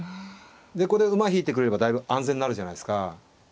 でこれ馬引いてくれればだいぶ安全になるじゃないですか。